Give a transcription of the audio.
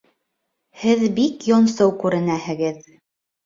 Һеҙ бик йонсоу күренәһегеҙ